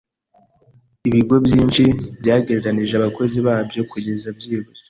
Ibigo byinshi byagereranije abakozi babyo kugeza byibuze.